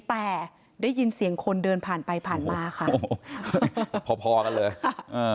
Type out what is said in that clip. แต่ได้ยินเสียงคนเดินผ่านไปผ่านมาค่ะโอ้โหพอพอกันเลยอ่า